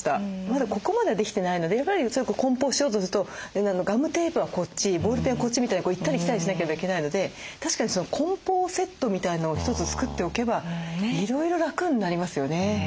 まだここまではできてないのでやっぱり梱包しようとするとガムテープはこっちボールペンはこっちみたいにこう行ったり来たりしなければいけないので確かに梱包セットみたいのを一つ作っておけばいろいろ楽になりますよね。